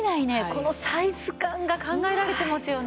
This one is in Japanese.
このサイズ感が考えられてますよね。